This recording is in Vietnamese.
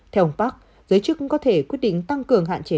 theo ông park giới chức cũng có thể quyết định tăng cường hạn chế